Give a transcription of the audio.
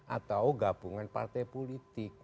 atau gabungan partai politik